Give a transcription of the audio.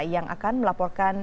yang akan melaporkan